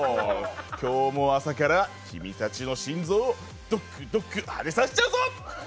今日も朝から君たちの心臓をドクドク、荒れさせちゃうぞ！